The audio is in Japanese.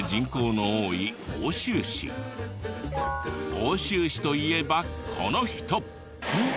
奥州市といえばこの人！